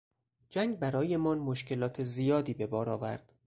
جنگ برایمان مشکلات زیادی به بار آورد.